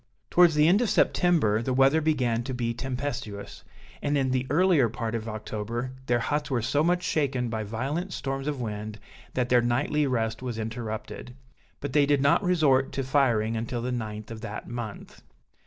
Towards the end of September, the weather began to be tempestuous, and in the earlier part of October, their huts were so much shaken by violent storms of wind, that their nightly rest was interrupted; but they did not resort to firing until the 9th of that month.